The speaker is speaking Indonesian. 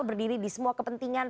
berdiri di semua kepentingan